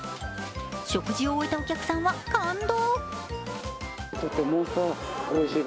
食事を終えたお客さんは感動。